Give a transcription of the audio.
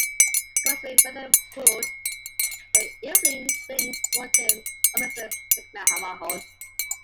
Gowen's win further fueled the ill-feelings toward him from Mr. McMahon.